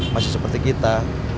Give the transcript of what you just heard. masih seperti kita